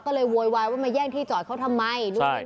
ก็เลยโวยวายว่ามาแย่งที่จอดเขาทำไมด้วย